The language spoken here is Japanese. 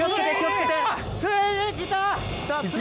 ついに来た！